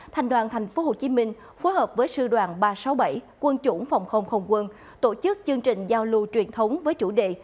thành đoàn tp hcm phối hợp với sư đoàn ba trăm sáu mươi bảy quân chủng phòng không không quân tổ chức chương trình giao lưu truyền thống với chủ đề